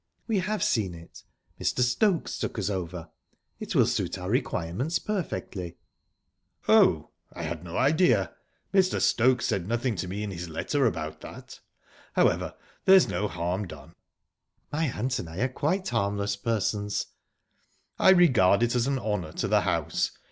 "We have seen it. Mr. Stokes took us over. It will suit our requirements perfectly." "Oh...I had no idea. Mr. Stokes said nothing to me in his letter about that. However, there's no harm done." "My aunt and I are quite harmless persons." "I regard it as an honour to the house.